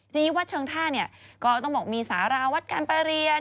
ทีนี้วัดเชิงท่าเนี่ยก็ต้องบอกมีสาราวัดการประเรียน